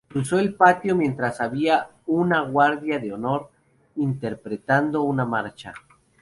Cruzó el patio mientras había una guardia de honor interpretando una marcha.